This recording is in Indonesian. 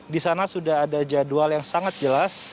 di sana sudah ada jadwal yang sangat jelas